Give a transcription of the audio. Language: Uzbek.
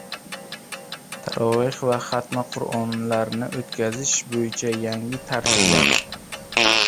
Taroveh va xatmi Qur’onlarni o‘tkazish bo‘yicha yangi tartiblar